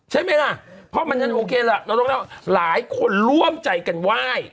ใช่ไหมล่ะเพราะมันยังโอเคล่ะเราต้องเล่าหลายคนร่วมใจกันไหว้